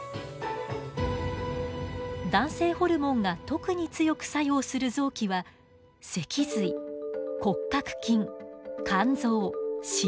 男性ホルモンが特に強く作用する臓器は脊髄骨格筋肝臓心臓など。